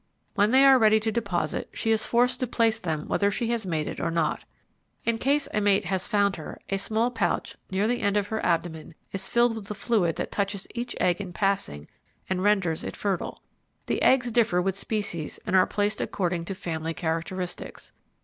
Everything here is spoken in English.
When they are ready to deposit, she is forced to place them whether she has mated or not. In case a mate has found her, a small pouch near the end of her abdomen is filled with a fluid that touches each egg in passing and renders it fertile. The eggs differ with species and are placed according to family characteristics.